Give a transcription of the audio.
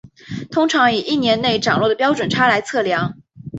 通常以一年内涨落的标准差来测量。